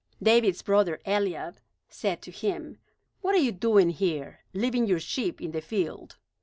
David's brother Eliab said to him: "What are you doing here, leaving your sheep in the field?